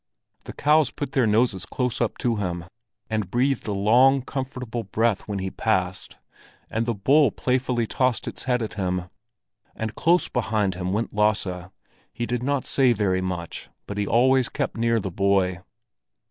The cows put their noses close up to him, and breathed a long, comfortable breath when he passed, and the bull playfully tossed its head at him. And close behind him went Lasse; he did not say very much but he always kept near the boy.